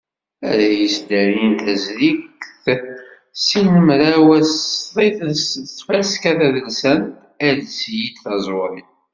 Ara yesdarin tazrigt tis mraw d sḍiset n tfaska tadelsant "Ales-iyi-d taẓuri".